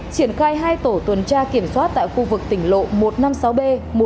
triển khai hai tổ tuần tra kiểm soát tại khu vực tỉnh lộ một trăm năm mươi sáu b một trăm năm mươi bảy